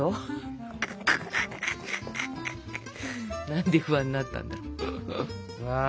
何で不安になったんだ。